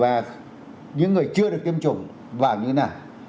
và những người chưa được tiêm chủng vàng như thế nào